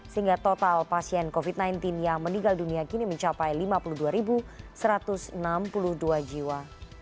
sehingga total pasien covid sembilan belas yang meninggal dunia kini mencapai lima puluh dua satu ratus enam puluh dua jiwa